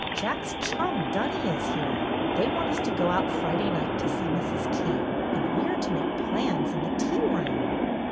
Jack's chum, Dunny, is here. They want us to go out Friday night to see Mrs. King, and we are to make plans in the tea room."